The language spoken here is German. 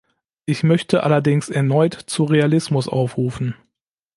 Ich möchte allerdings erneut zu Realismus aufrufen.